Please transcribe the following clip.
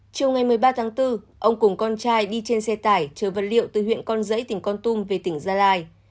chiều ngày một mươi ba tháng bốn ông cùng con trai đi trên xe tải chở vật liệu từ huyện con rẫy tỉnh con tum về tỉnh gia lai